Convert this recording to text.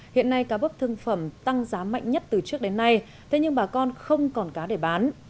hiện nay cá bớp thương phẩm tăng giá mạnh nhất từ trước đến nay thế nhưng bà con không còn cá để bán